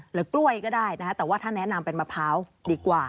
กล้วยก็ได้นะคะแต่ว่าถ้าแนะนำเป็นมะพร้าวดีกว่า